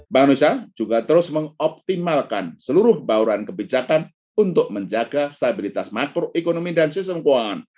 bank indonesia juga terus mengoptimalkan seluruh bauran kebijakan untuk menjaga stabilitas makroekonomi dan sistem keuangan